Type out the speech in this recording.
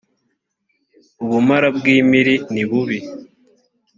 ubumara bw impiri ni bubi